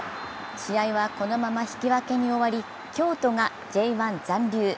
試合はこのまま引き分けに終わり京都がＪ１残留。